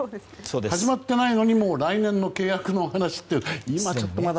始まってないのにもう来年の契約の話という。